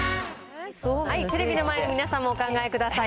テレビの前の皆さんもお考えください。